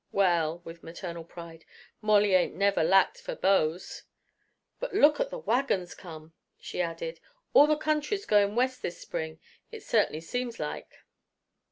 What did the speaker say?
Well" with maternal pride "Molly ain't never lacked for beaus! "But look at the wagons come!" she added. "All the country's going West this spring, it certainly seems like."